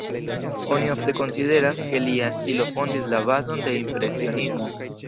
Oni ofte konsideras, ke lia stilo fondis la bazon de impresionismo.